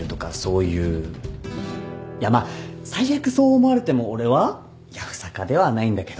いやまあ最悪そう思われても俺はやぶさかではないんだけど。